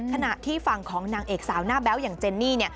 ขณะที่ฝั่งของนางเอกสาวหน้าแบ๊วอย่างเจนนี่